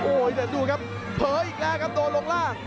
โอ้โหแต่ดูครับเผลออีกแล้วครับโดนลงล่าง